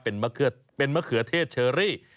เป็นมะเขือเทศเชอรี่